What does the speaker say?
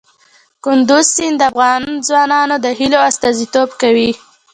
کندز سیند د افغان ځوانانو د هیلو استازیتوب کوي.